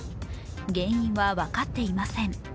原因は分かっていません。